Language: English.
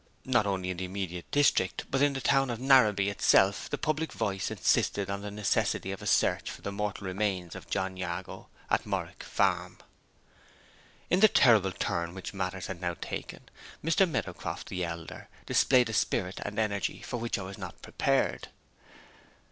Not only in the immediate district, but in the town of Narrabee itself, the public voice insisted on the necessity of a search for the mortal remains of John Jago at Morwick Farm. In the terrible turn which matters had now taken, Mr. Meadowcroft the elder displayed a spirit and an energy for which I was not prepared.